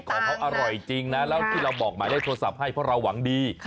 ของเขาอร่อยจริงนะแล้วที่เราบอกหมายเลขโทรศัพท์ให้เพราะเราหวังดี